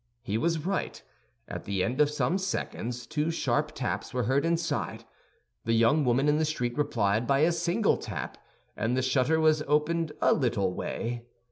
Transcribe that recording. He was right; at the end of some seconds two sharp taps were heard inside. The young woman in the street replied by a single tap, and the shutter was opened a little way.